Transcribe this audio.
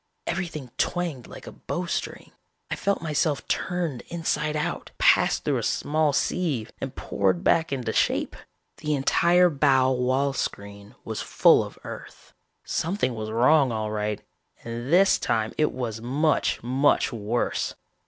"Everything twanged like a bowstring. I felt myself turned inside out, passed through a small sieve, and poured back into shape. The entire bow wall screen was full of Earth. Something was wrong all right, and this time it was much, much worse.